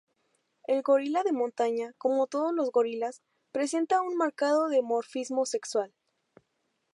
El gorila de montaña, como todos los gorilas, presenta un marcado dimorfismo sexual.